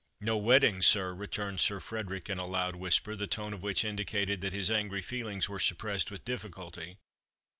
"No wedding, sir?" returned Sir Frederick, in a loud whisper, the tone of which indicated that his angry feelings were suppressed with difficulty.